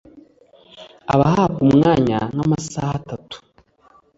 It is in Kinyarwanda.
abahabwa umwanya nk’amasaha atatu